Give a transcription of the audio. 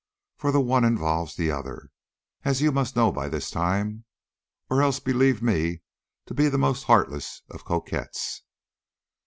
For the one involves the other, as you must know by this time, or else believe me to be the most heartless of coquettes.